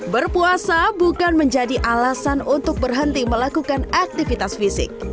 berpuasa bukan menjadi alasan untuk berhenti melakukan aktivitas fisik